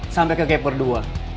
sampai ke gap berdua